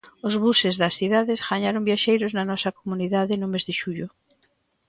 Os buses das cidades gañaron viaxeiros na nosa comunidade, no mes de xullo.